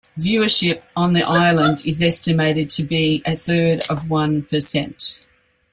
Viewership on the island is estimated to be a third of one percent.